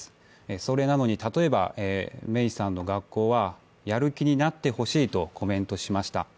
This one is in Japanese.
それなのに例えば芽生さんの学校はやる気になってほしいとコメントしました。